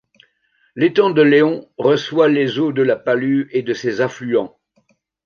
L'étang de Léon reçoit les eaux de La Palue et de ses affluents.